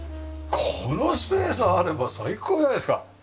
このスペースあれば最高じゃないですか！